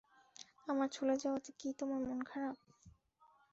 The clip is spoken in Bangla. আমার চলে যাওয়াতে কি তোমার মন খারাপ?